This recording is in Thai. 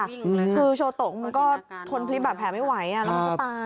คือโชโตมันก็ทนพลิบแบบแผลไม่ไหวแล้วมันก็ตาย